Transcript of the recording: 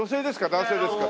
男性ですか？